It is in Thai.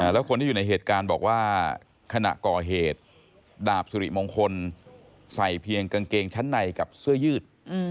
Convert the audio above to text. แล้วคนที่อยู่ในเหตุการณ์บอกว่าขณะก่อเหตุดาบสุริมงคลใส่เพียงกางเกงชั้นในกับเสื้อยืด